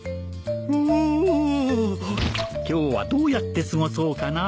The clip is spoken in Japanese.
今日はどうやって過ごそうかな